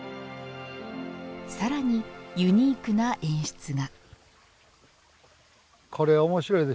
さらに、ユニークな演出が。